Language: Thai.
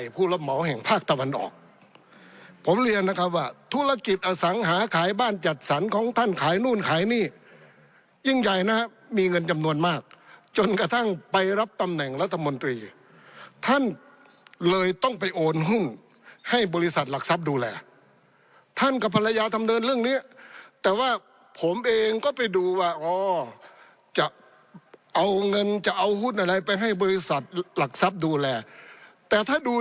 ผู้รับเหมาแห่งภาคตะวันออกผมเรียนนะครับว่าธุรกิจอสังหาขายบ้านจัดสรรของท่านขายนู่นขายนี่ยิ่งใหญ่นะครับมีเงินจำนวนมากจนกระทั่งไปรับตำแหน่งรัฐมนตรีท่านเลยต้องไปโอนหุ้นให้บริษัทหลักทรัพย์ดูแลท่านกับภรรยาทำเดินเรื่องนี้แต่ว่าผมเองก็ไปดูว่าอ๋อจะเอาเงินจะเอาหุ้นอะไรไปให้บริษัทหลักทรัพย์ดูแลแต่ถ้าดู